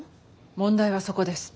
問題はそこです。